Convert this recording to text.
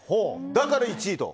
だから１位と。